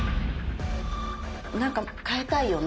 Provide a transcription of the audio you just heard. なんか変えたいよね。